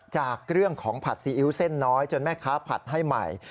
จากเรื่องของผัดซีอิ๊วเส้นน้อยจนแม่ค้าผัดให้ใหม่